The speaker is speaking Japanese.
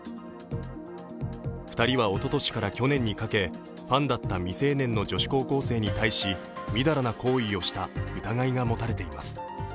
２人はおととしから去年にかけ、ファンだった未成年の女子高校生に対しみだらな行為をした疑いが持たれています。